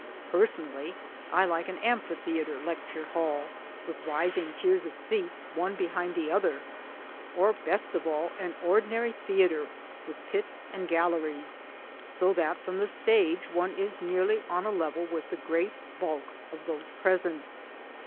Personally I like an amphitheatre lecture hall with rising tiers of seats one behind the other ; or best of all an ordinary theatre with pit and galleries, so that from the stage one is nearly on a level with the great bulk of those present.